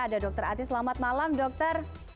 ada dr ati selamat malam dokter